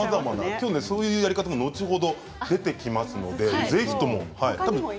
きょうねそういうやり方も後ほど出てきますので是非ともはい。